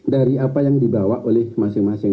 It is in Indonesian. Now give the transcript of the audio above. dari apa yang dibawa oleh masing masing